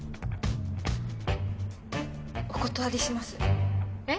お断りしますえッ？